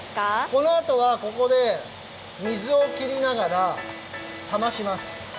このあとはここで水をきりながらさまします。